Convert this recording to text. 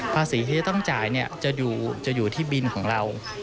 ภาษีที่จะต้องจ่ายจะอยู่ที่บินของเรา